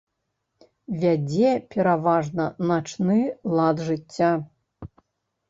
Вядзе пераважна начны лад жыцця.